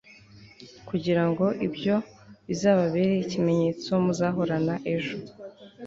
kugira ngo ibyo bizababere ikimenyetso muzahorana. ejo